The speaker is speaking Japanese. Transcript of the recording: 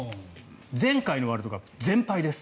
前回のワールドカップ全敗です。